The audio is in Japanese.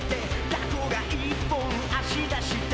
「タコが１本足出した」